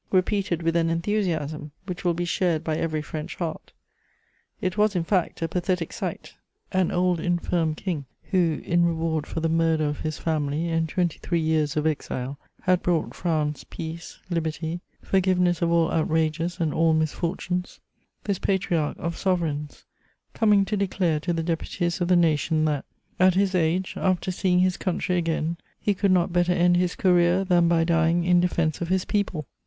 repeated with an enthusiasm which will be shared by every French heart" It was, in fact, a pathetic sight: an old, infirm King who, in reward for the murder of his family and twenty three years of exile, had brought France peace, liberty, forgiveness of all outrages and all misfortunes; this patriarch of sovereigns coming to declare to the deputies of the nation that, at his age, after seeing his country again, he could not better end his career than by dying in defense of his people!